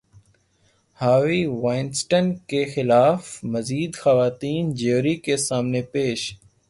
Harvey Weinstein کے خلاف مزید خواتین جیوری کے سامنے پیش